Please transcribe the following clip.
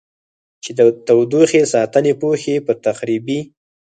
چې د تودوخې ساتنې پوښ یې په تخریبي